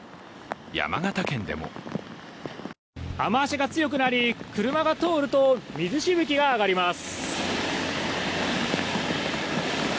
山形県でも雨足が強くなり、車が通ると水しぶきが上がります。